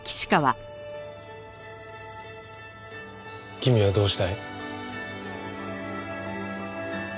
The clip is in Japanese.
君はどうしたい？